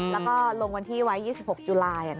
แล้วก็ลงวันที่ไว้๒๖จุลาย